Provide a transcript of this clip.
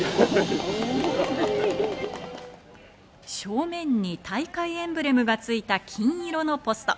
正面に大会エンブレムがついた金色のポスト。